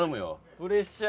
プレッシャー。